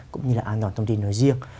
cũng như là an toàn thông tin nói riêng